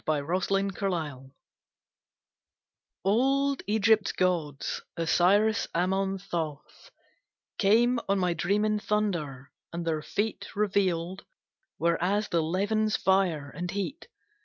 THE RETRIBUTION Old Egypt's gods, Osiris, Ammon, Thoth, Came on my dream in thunder, and their feet Revealed, were as the levin's fire and heat.